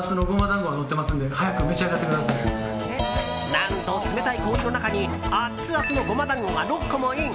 何と、冷たい氷の中にアツアツのゴマ団子が６個もイン。